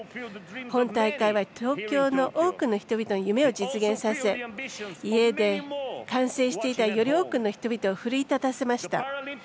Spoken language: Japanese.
今大会は東京の多くの人々に夢を実現させ、家で観戦していたより多くの人々を奮い立たせました。